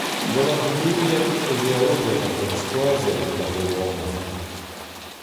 Gant ar gumuniezh e vez aozet ar genskoazell evit ar re wanañ.